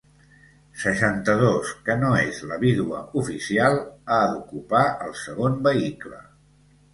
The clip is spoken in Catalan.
Seixanta-dos que no és la vídua oficial, ha d'ocupar el segon vehicle.